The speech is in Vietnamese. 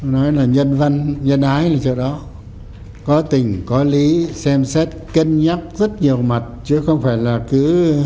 nhân văn nhân ái là chỗ đó có tình có lý xem xét kênh nhắc rất nhiều mặt chứ không phải là cứ